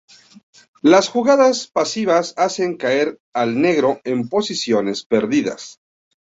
Las jugadas pasivas hacen caer al negro en posiciones perdidas.